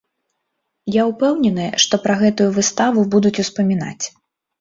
Я ўпэўнены, што пра гэтую выставу будуць успамінаць.